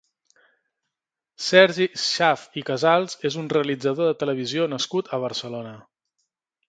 Sergi Schaaff i Casals és un realitzador de televisió nascut a Barcelona.